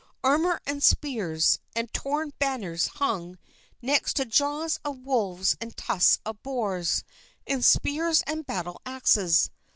Armor and spears, and torn banners hung next to jaws of wolves and tusks of boars, and spears and battle axes.